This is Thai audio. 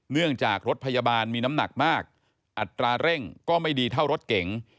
เนื่องจากรถพยาบาลมีน้ำหนักมากอัตราเร่งก็ไม่ดีเท่ารถเก๋ง